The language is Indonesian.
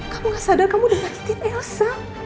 kamu gak sadar kamu udah ngajetin elsa